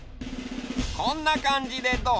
こんなかんじでどう？